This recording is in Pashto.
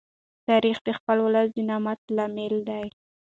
تاریخ د خپل ولس د نامت لامل دی.